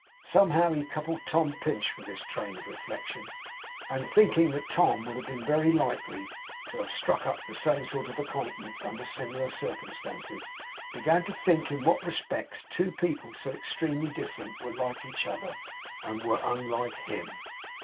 Somehow he coupled Tom Pinch with this train of reflection; and thinking that Tom would be very likely to have struck up the same sort of acquaintance under similar circumstances, began to think in what respects two people so extremely different were like each other, and were unlike him.